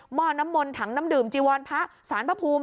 ้อน้ำมนต์ถังน้ำดื่มจีวรพระสารพระภูมิ